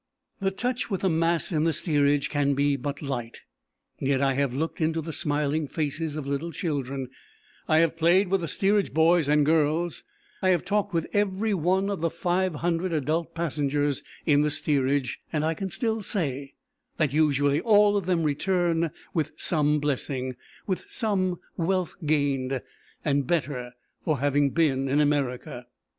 The touch with the mass in the steerage can be but light; yet I have looked into the smiling faces of little children, I have played with the steerage boys and girls, I have talked with every one of the five hundred adult passengers in the steerage, and I can still say that usually all of them return with some blessing, with some wealth gained, and better for having been in America.